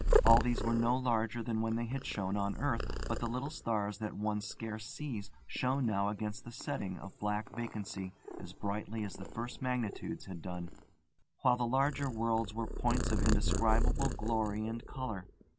All these were no larger than when they had shone on earth, but the little stars that one scarce sees shone now against the setting of black vacancy as brightly as the first magnitudes had done, while the larger worlds were points of indescribable glory and colour.